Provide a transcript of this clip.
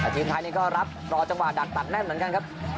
ทีมไทยนี่ก็รับรอจังหวะดักตัดแน่นเหมือนกันครับ